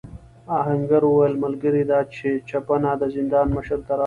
آهنګر وویل ملګري دا چپنه د زندان مشر ته راوړې.